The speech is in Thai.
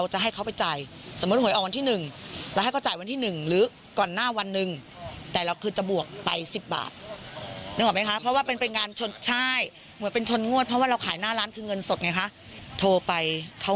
เห็นกันมาตั้งแต่เด็กไง